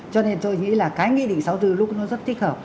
cho nên tôi nghĩ là cái nghị định số bốn lúc nó rất thích hợp